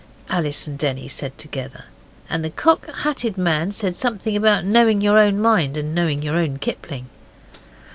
Alice and Denny said together. And the Cocked Hatted Man said something about knowing your own mind and knowing your own Kipling.